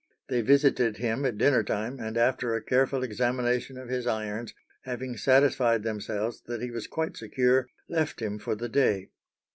They visited him at dinner time, and after a careful examination of his irons, having satisfied themselves that he was quite secure, left him for the day.